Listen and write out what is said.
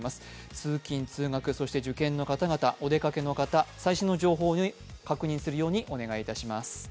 通勤・通学、そして受験の方々、お出かけの方、最新の情報を確認するようにお願いします。